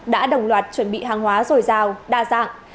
đã đồng loạt chuẩn bị hàng hóa dồi dào đa dạng